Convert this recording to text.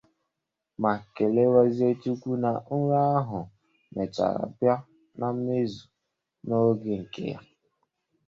ma kelekwazie Chukwu na nrọ ahụ mechaara bịa na mmezu n'oge nke ya.